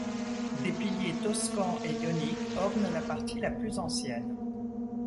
Des piliers toscans et ioniques ornent la partie la plus ancienne.